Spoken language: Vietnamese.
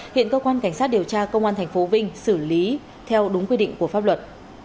hiện cơ quan cảnh sát điều tra công an tp vinh xử lý theo đúng quy định của pháp luật